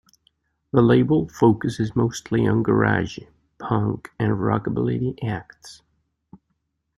The label focuses mostly on garage, punk, and rockabilly acts.